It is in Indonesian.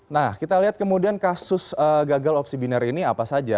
nah kita lihat kemudian kasus gagal opsi binary ini apa saja